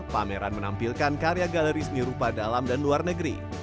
pameran menampilkan karya galeri seni rupa dalam dan luar negeri